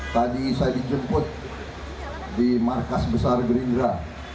tadi saya dijemput di markas besar gerindra